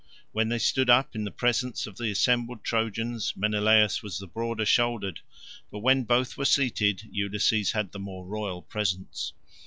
When they stood up in presence of the assembled Trojans, Menelaus was the broader shouldered, but when both were seated Ulysses had the more royal presence.